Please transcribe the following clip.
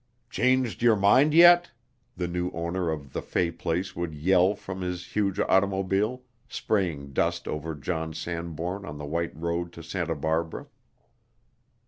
"Changed your mind yet?" the new owner of the "Fay place" would yell from his huge automobile, spraying dust over John Sanbourne on the white road to Santa Barbara.